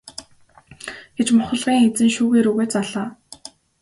гэж мухлагийн эзэн шүүгээ рүүгээ заалаа.